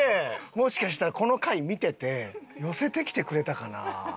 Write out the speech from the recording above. もしかしたらこの回見てて寄せてきてくれたかな？